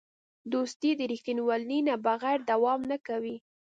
دوستي د رښتینولۍ نه بغیر دوام نه کوي.